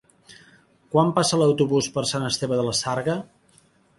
Quan passa l'autobús per Sant Esteve de la Sarga?